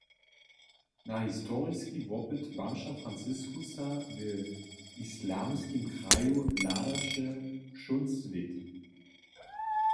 Na historiski wopyt bamža Franciskusa w islamskim kraju hladaše wšón swět.